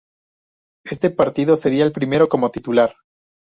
Este partido sería el primero como titular.